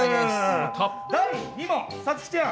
第２問さつきちゃん。